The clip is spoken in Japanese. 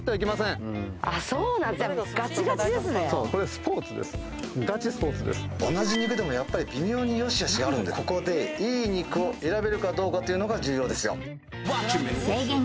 そうなんじゃガチガチですねガチスポーツです同じ肉でもやっぱり微妙によしあしがあるんでここでいい肉を選べるかどうかというのが重要ですよ